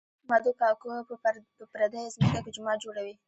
مدو کاکو په پردۍ ځمکه کې جومات جوړوي